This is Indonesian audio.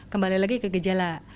kembali lagi ke gejala